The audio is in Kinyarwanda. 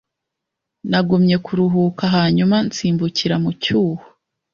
nagumye kuruhuka hanyuma nsimbukira mu cyuho